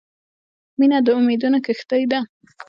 • مینه د امیدونو کښتۍ ده.